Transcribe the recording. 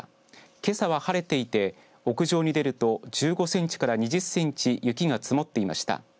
けさは晴れていて、屋上に出ると１５センチから２０センチ雪が積もっていました。